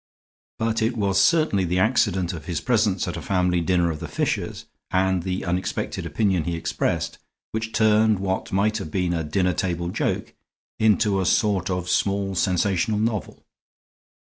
But it was certainly the accident of his presence at a family dinner of the Fishers, and the unexpected opinion he expressed, which turned what might have been a dinner table joke into a sort of small sensational novel.